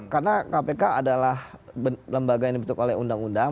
karena kpk adalah lembaga yang dibutuhkan oleh undang undang